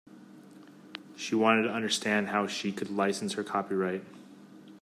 She wanted to understand how she could license her copyright.